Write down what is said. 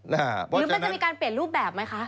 น่าเพราะฉะนั้นหรือมันจะมีการเปลี่ยนรูปแบบไหมคะ